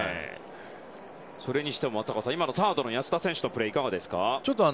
それにしてもサードの安田選手のプレーはいかがですか？